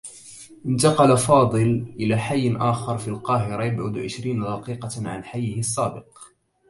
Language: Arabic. انتقل فاضل إلى حيّ آخر في القاهرة يبعد عشرين دقيقة عن حيّه الّسّابق.